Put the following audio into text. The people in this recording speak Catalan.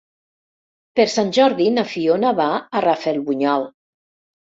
Per Sant Jordi na Fiona va a Rafelbunyol.